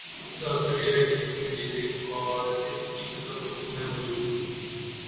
اس کا مطلب یہ ہے کہ اس وقت انجینئرنگ اور طب کی کتب اردو میں مو جود تھیں۔